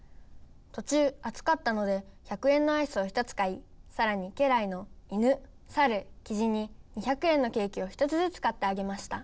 とちゅうあつかったので１００円のアイスを１つ買いさらに家来の犬サルキジに２００円のケーキを１つずつ買ってあげました。